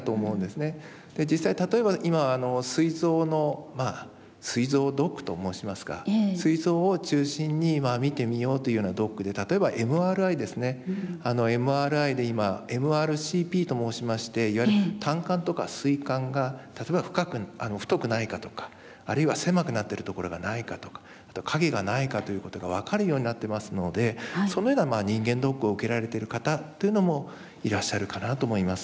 実際例えば今すい臓のすい臓ドックと申しますかすい臓を中心に見てみようというようなドックで例えばＭＲＩですねＭＲＩで今ＭＲＣＰと申しまして胆管とかすい管が例えば太くないかとかあるいは狭くなってるところがないかとかあと影がないかということが分かるようになってますのでそのような人間ドックを受けられている方というのもいらっしゃるかなと思います。